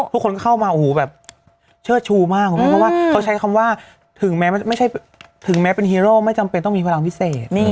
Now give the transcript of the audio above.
ทุกคนเข้ามาเชื่อชูมากเพราะว่าเขาใช้คำว่าถึงแม้เป็นฮีโร่ไม่จำเป็นต้องมีเวลาพิเศษ